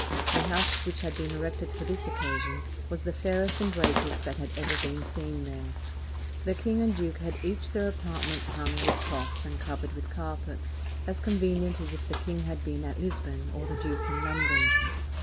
The house which had been erected for this occasion was the fairest and greatest that had ever been seen there. The king and duke had each their apartments hung with cloth and covered with carpets, as convenient as if the king had been at Lisbon or the duke in London.